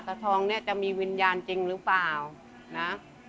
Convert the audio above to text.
ทองเนี่ยจะมีวิญญาณจริงหรือเปล่านะ